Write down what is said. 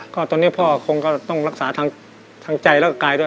ก็ตอนนี้พ่อคงก็ต้องรักษาทั้งใจแล้วก็กายด้วย